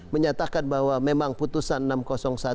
menyatakan bahwa memang putusan enam ratus satu